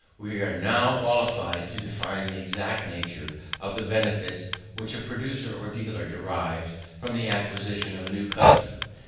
We are now qualified to define the exact nature of the benefit which a producer or dealer derives from the acquisition of a new customer.